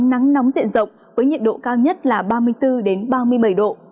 nắng nóng diện rộng với nhiệt độ cao nhất là ba mươi bốn ba mươi bảy độ